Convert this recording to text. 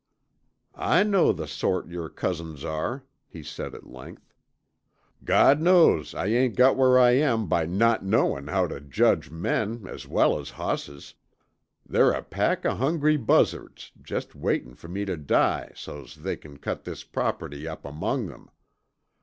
"I know the sort yer cousins are," he said at length. "God knows I ain't got where I am by not knowin' how tuh judge men as well as hosses. They're a pack o' hungry buzzards, just waitin' fer me tuh die so's they can cut this property up among 'em.